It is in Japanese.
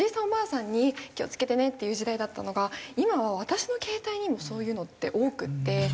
おばあさんに気を付けてねっていう時代だったのが今は私の携帯にもそういうのって多くって。